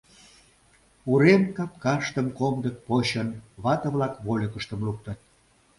Урем капкаштым комдык почын, вате-влак вольыкыштым луктыт.